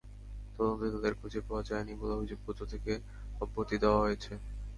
তদন্তে তাদের খুঁজে পাওয়া যায়নি বলে অভিযোগপত্র থেকে অব্যাহতি দেওয়া হয়েছে।